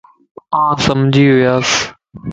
آن سمجھي وياس